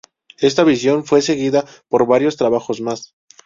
Esta visión fue seguida por varios trabajos más.